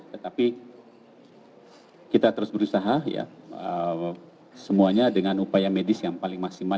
tetapi kita terus berusaha ya semuanya dengan upaya medis yang paling maksimal